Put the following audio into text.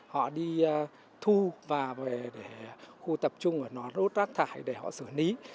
họ đi thu và về khu tập trung của nó đốt rác thải để họ sửa ní